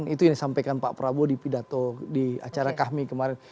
itu yang disampaikan pak prabowo di pidato di acara kami kemarin